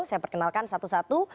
saya perkenalkan satu satu